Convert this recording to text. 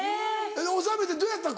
納めてどうやったん？